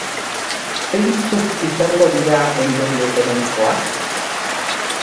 Zeintzuk izango dira ondorio ekonomikoak?